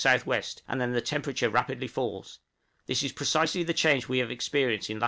W., and then the temperature rapidly falls: this is precisely the change we have experienced in lat.